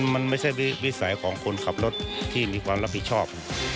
มันไม่ใช่วิสัยของคนขับรถที่มีความรับผิดชอบ